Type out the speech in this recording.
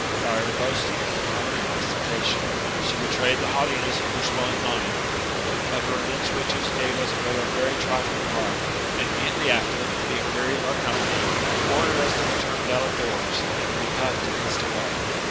By her boasting and immoderate ostentation, she betrayed the haughtiness of her swelling mind; of her immense riches gave us but a very trifling part ; and immediately after, being weary of our company, ordered, us to be turned out of doors, and to be puffed and hissed away.